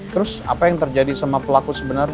terus apa yang terjadi sama pelaku sebenarnya